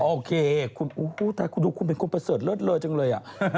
โอเคดูคุณเป็นคนประเศรษฐ์เลิศเลย